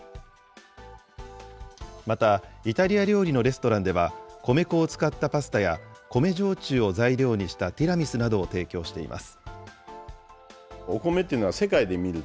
また、イタリア料理のレストランでは、米粉を使ったパスタや米焼酎を材料にしたティラミスなどを提供しています。